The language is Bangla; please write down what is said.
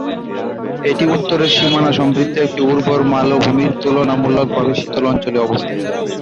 এটি উত্তরের সীমানা সমৃদ্ধ একটি উর্বর মালভূমির তুলনামূলকভাবে শীতল অঞ্চলে অবস্থিত।